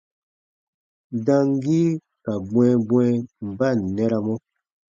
Damgii ka bwɛ̃ɛbwɛ̃ɛ ba ǹ nɛramɔ.